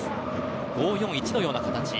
５−４−１のような形。